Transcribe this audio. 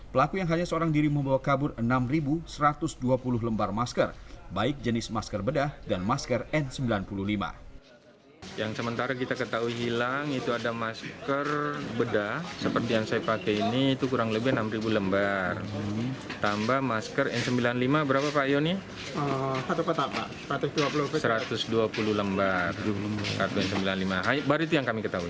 pelaku yang hanya seorang diri membawa kabur enam satu ratus dua puluh lembar masker baik jenis masker bedah dan masker n sembilan puluh lima